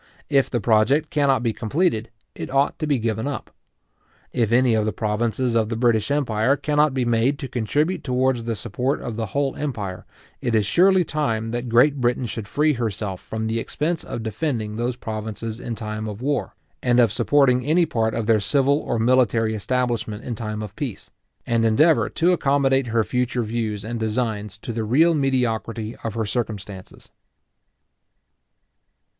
If the project cannot be completed, it ought to be given up. If any of the provinces of the British empire cannot be made to contribute towards the support of the whole empire, it is surely time that Great Britain should free herself from the expense of defending those provinces in time of war, and of supporting any part of their civil or military establishment in time of peace; and endeavour to accommodate her future views and designs to the real mediocrity of her circumstances.